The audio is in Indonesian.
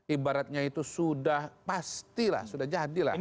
ibaratnya itu sudah pasti lah sudah jadi lah